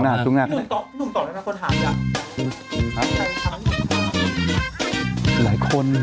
นุ่มตกเลยนะคนถาม